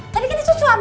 tapi kan itu suami kamu